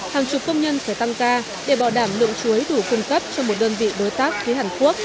hàng chục công nhân phải tăng ra để bảo đảm lượng chuối đủ cung cấp cho một đơn vị đối tác phía hàn quốc